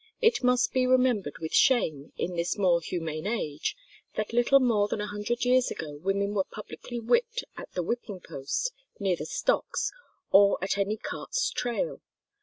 It must be remembered with shame in this more humane age that little more than a hundred years ago women were publicly whipped at the whipping post near the stocks, or at any cart's tail.